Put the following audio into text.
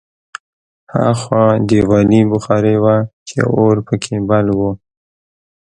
هاخوا دېوالي بخارۍ وه چې اور پکې بل و